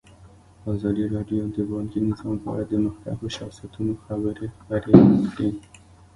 ازادي راډیو د بانکي نظام په اړه د مخکښو شخصیتونو خبرې خپرې کړي.